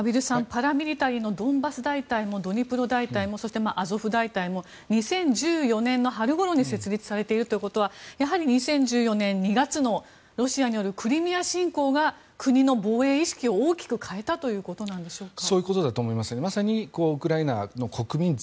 パラミリタリーのドンバス大隊もドニプロ大隊もそして、アゾフ大隊も２０１４年の春ごろに設立されているということはやはり２０１４年２月のロシアによるクリミア侵攻が国の防衛意識を大きく変えたということでしょうか。